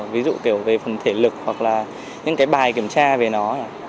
ví dụ kiểu về phần thể lực hoặc là những cái bài kiểm tra về nó